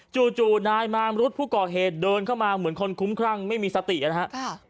จู่นายมามรุษผู้ก่อเหตุเดินเข้ามาเหมือนคนคุ้มครั่งไม่มีสตินะครับ